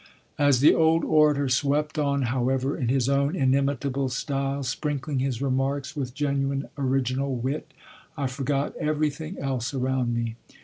As the old orator swept on, however, in his own inimitable style, sprinkling his remarks with genuine original wit I forgot everything else around me.